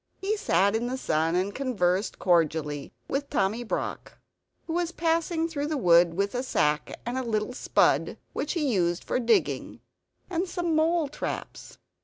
He sat in the sun, and conversed cordially with Tommy Brock, who was passing through the wood with a sack and a little spud which he used for digging, and some mole traps.